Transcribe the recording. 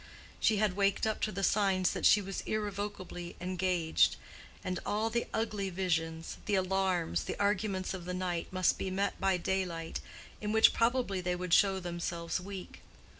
She had waked up to the signs that she was irrevocably engaged, and all the ugly visions, the alarms, the arguments of the night, must be met by daylight, in which probably they would show themselves weak.